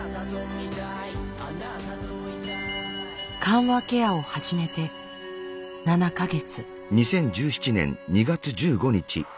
緩和ケアを始めて７か月。